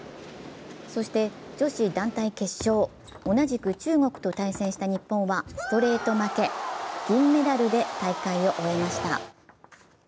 そして女子団体決勝、同じく中国と対戦した日本はストレート負け銀メダルで大会を終えました。